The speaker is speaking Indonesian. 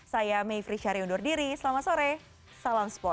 saya mevri syari undur diri selamat sore salam sport